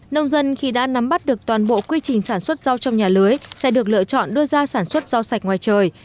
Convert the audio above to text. nông dân khi đã nắm bắt được toàn bộ quy trình sản xuất rau trong nhà lưới sẽ được lựa chọn đưa ra sản xuất rau sạch ngoài trời